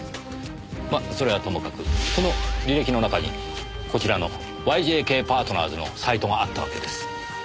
まっそれはともかくその履歴の中にこちらの「ＹＪＫパートナーズ」のサイトがあったわけです。